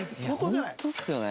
ホントっすよね。